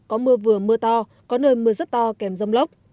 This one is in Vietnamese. có mưa vừa mưa to có nơi mưa rất to kèm rông lốc